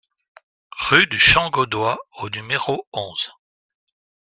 Rue du Champ Gaudois au numéro onze